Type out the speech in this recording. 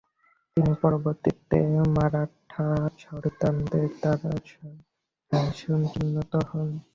তিনি পরবর্তীতে মারাঠা সরদারদের দ্বারা সিংহাসনচ্যুত হন।